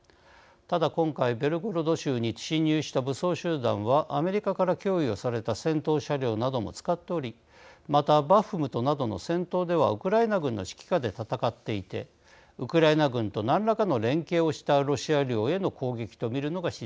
ただ今回ベルゴロド州に侵入した武装集団はアメリカから供与された戦闘車両なども使っておりまたバフムトなどの戦闘ではウクライナ軍の指揮下で戦っていてウクライナ軍と何らかの連携をしたロシア領への攻撃と見るのが自然です。